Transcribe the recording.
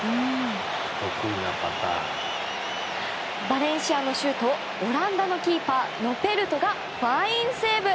バレンシアのシュートをオランダのキーパーノペルトがファインセーブ！